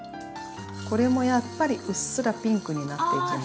これもやっぱりうっすらピンクになっていきます。